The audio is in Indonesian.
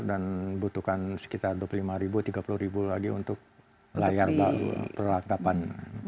dan butuhkan sekitar dua puluh lima ribu tiga puluh ribu lagi untuk layar perlantapan